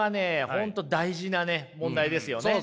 本当大事なね問題ですよね。